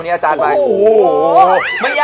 ไม่ยาก๓ไม่ใช่